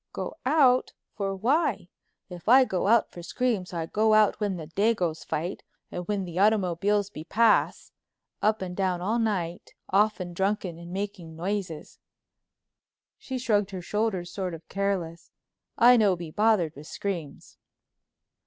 "Go out. For why? If I go out for screams I go out when the dagoes fight, and when the automobiles be pass—up and down all night, often drunken and making noises;" she shrugged her shoulders sort of careless; "I no be bothered with screams."